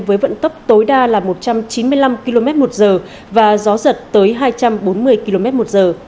với vận tốc tối đa là một trăm chín mươi năm km một giờ và gió giật tới hai trăm bốn mươi km một giờ